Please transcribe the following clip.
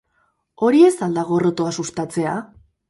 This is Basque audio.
Hori ez al da gorrotoa sustatzea?